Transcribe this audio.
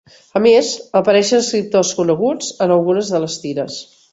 A més apareixien escriptors coneguts en algunes de les tires.